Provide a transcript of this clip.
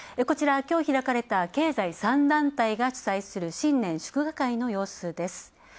こちら、今日開かれた経済３団体が主催する新年祝賀会の様子です。